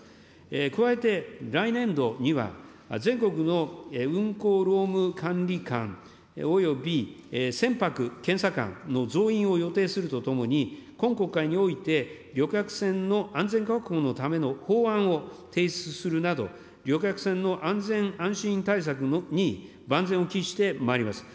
加えて、来年度には、全国の運航労務管理官、および船舶検査官の増員を予定するとともに、今国会において、旅客船の安全確保のための法案を提出するなど、旅客船の安全・安心対策に万全を期してまいります。